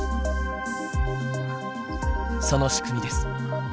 その仕組みです。